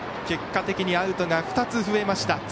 結果的にアウトが２つ増えました。